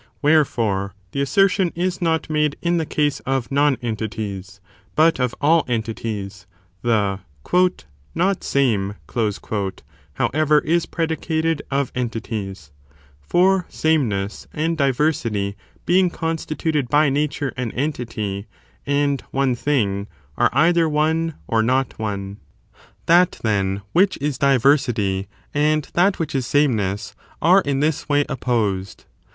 Where fore, the assertion is not made in the case of nonentities, but of all entities, — the "not same," however, is predicated of entities, — for sameness and diversity being constituted by nature an entity and one thing, are either one or not one. That, then, which is diversity, and that which is sameness, are in this way opposed.